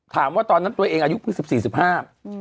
ถามว่าตอนนั้นตัวเองอายุเป็นสิบสี่สิบห้าอืม